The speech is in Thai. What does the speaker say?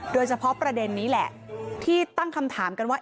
โดยเฉพาะประเด็นนี้แหละที่ตั้งคำถามกันว่า